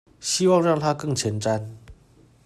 希望讓他更前瞻